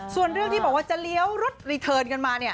ส่วนเรื่องที่บอกว่าจะเลี้ยวรถรีเทิร์นกันมา